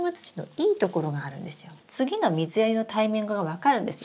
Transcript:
次の水やりのタイミングが分かるんですよ。